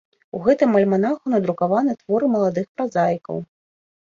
У гэтым альманаху надрукаваны творы маладых празаікаў.